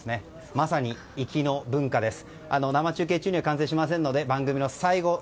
まさに粋の文化です。